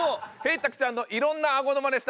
たくちゃんのいろんな顎のまねでした。